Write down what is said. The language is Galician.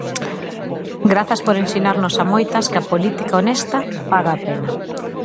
Grazas por ensinarnos a moitas que a política honesta paga a pena.